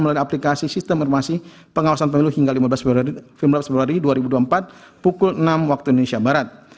melalui aplikasi sistem informasi pengawasan pemilu hingga lima belas februari dua ribu dua puluh empat pukul enam waktu indonesia barat